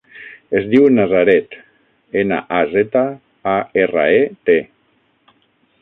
Es diu Nazaret: ena, a, zeta, a, erra, e, te.